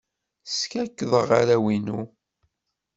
Skakkḍeɣ arraw-inu.